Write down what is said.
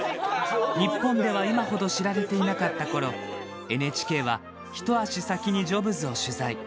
日本では今ほど知られていなかったころ、ＮＨＫは一足先にジョブズを取材。